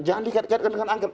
jangan dikaitkan dengan angket